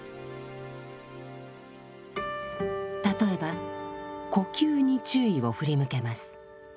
例えば呼吸に注意を振り向けます。